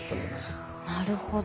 なるほど。